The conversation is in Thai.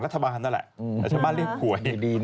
รถข้าวบ้านเรียกหวย